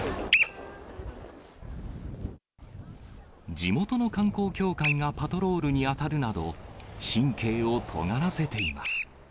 地元の観光協会がパトロールに当たるなど、神経をとがらせています。